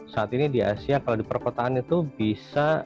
saat ini di asia kalau di perkotaan itu bisa